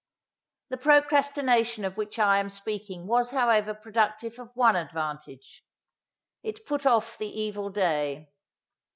The procrastination of which I am speaking was however productive of one advantage. It put off the evil day.